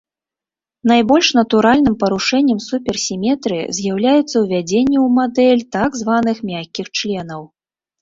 Найбольш натуральным парушэннем суперсіметрыі з'яўляецца ўвядзенне ў мадэль так званых мяккіх членаў.